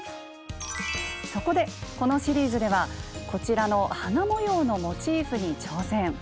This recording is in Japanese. そこでこのシリーズではこちらの「花模様のモチーフ」に挑戦！